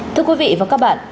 thưa quý vị và các bạn